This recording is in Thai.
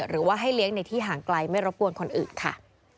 หรือว่าให้เลี้ยงในที่ห่างไกลไม่รบกวนคนอื่นค่ะ